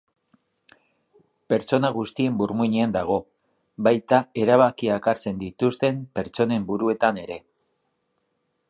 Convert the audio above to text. Pertsona guztien burmuinean dago, baita erabakiak hartzen dituzten pertsonen buruetan ere.